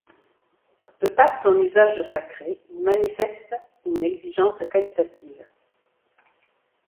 De par son usage sacré, ils manifestent une exigence qualitative.